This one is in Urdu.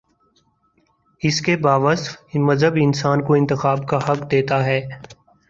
اس کے باوصف مذہب انسان کو انتخاب کا حق دیتا ہے۔